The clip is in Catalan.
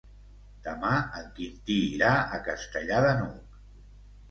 Demà en Quintí irà a Castellar de n'Hug.